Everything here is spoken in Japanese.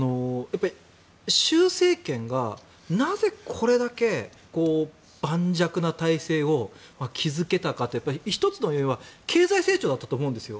習政権がなぜこれだけ盤石な体制を築けたかというと１つ言えるのは経済状況だったと思うんですよ。